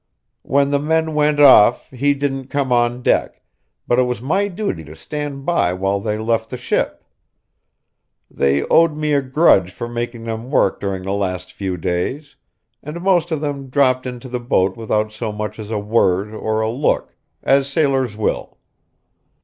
When the men went off he didn't come on deck; but it was my duty to stand by while they left the ship. They owed me a grudge for making them work during the last few days, and most of them dropped into the boat without so much as a word or a look, as sailors will.